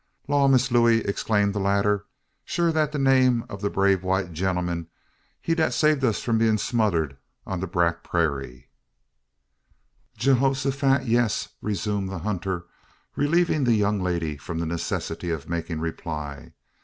"La, Miss Looey!" exclaimed the latter, "shoo dat de name ob de brave young white gen'l'm he dat us save from being smodered on de brack prairee?" "Geehosofat, yes!" resumed the hunter, relieving the young lady from the necessity of making reply.